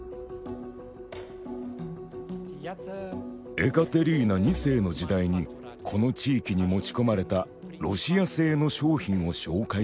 エカテリーナ２世の時代にこの地域に持ち込まれたロシア製の商品を紹介しましょう。